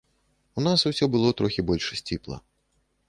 У нас усё было трохі больш сціпла.